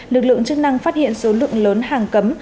lực lượng chức năng phát hiện số lượng lớn hàng cấm